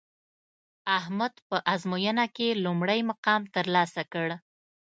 احمد په ازموینه کې لومړی مقام ترلاسه کړ